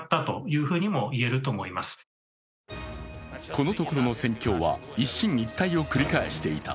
このところの戦況は、一進一退を繰り返していた。